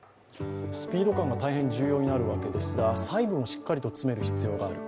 スピード感が大変重要になるわけですが細部もしっかりと詰める必要がある。